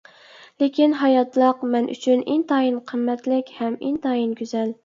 لېكىن ھاياتلىق مەن ئۈچۈن ئىنتايىن قىممەتلىك، ھەم ئىنتايىن گۈزەل.